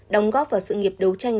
đóng góp vào sự nghiệp đấu tranh